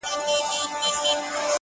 • د هر چا به وي لاسونه زما ګرېوان کي,